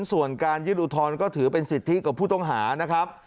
ส่วนการยื่นอุทธรณ์ก็ถือเป็นสิทธิกับผู้ต้องหานะครับ